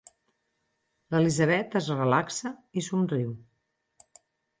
L'Elisabet es relaxa i somriu.